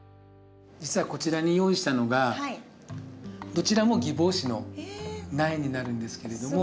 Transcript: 実はこちらに用意したのがどちらもギボウシの苗になるんですけれども。